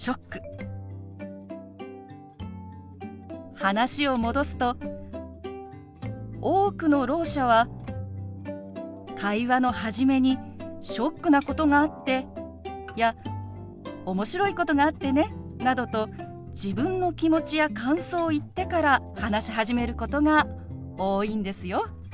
話を戻すと多くのろう者は会話の初めに「ショックなことがあって」や「面白いことがあってね」などと自分の気持ちや感想を言ってから話し始めることが多いんですよ。